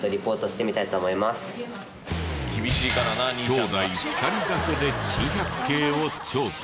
兄弟２人だけで珍百景を調査。